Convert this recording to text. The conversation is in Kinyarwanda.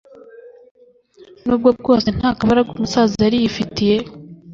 nubwo bwose ntakabaraga umusaza yari yifitiye,